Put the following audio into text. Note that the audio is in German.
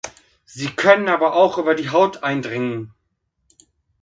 Sie können aber auch über die Haut eindringen.